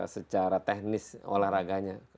secara teknis olahraganya